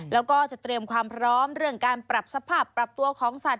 แล้วก็จะเตรียมความพร้อมเรื่องการปรับสภาพปรับตัวของสัตว